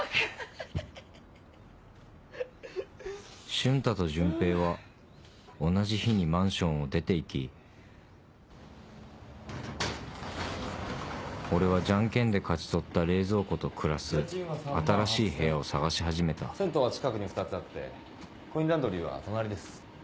瞬太と潤平は同じ日にマンションを出て行き俺はジャンケンで勝ち取った冷蔵庫と暮らす新しい部屋を探し始めた銭湯は近くに２つあってコインランドリーは隣です。